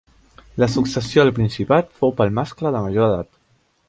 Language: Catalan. La successió del principat fou pel mascle de major d'edat.